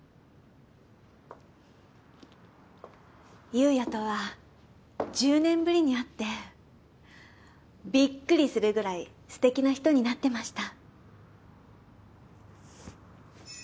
悠也とは１０年ぶりに会ってびっくりするぐらい素敵な人になってました。